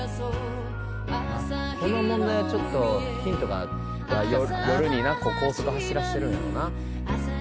この問題はちょっとヒントが夜にな高速走らしてるんやろな